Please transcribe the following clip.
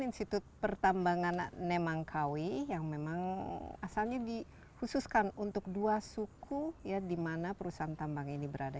institut pertambangan nemangkawi yang memang asalnya dikhususkan untuk dua suku di mana perusahaan tambang ini berada